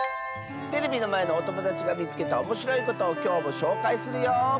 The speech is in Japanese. テレビのまえのおともだちがみつけたおもしろいことをきょうもしょうかいするよ！